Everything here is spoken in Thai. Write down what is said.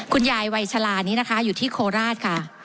คุณยายวัยชะลานี้นะคะอยู่ที่โคราชค่ะ